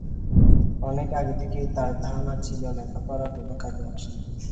অনেক আগে থেকেই তার ধারণা ছিল লেখাপড়া কোনো কাজে আসে না।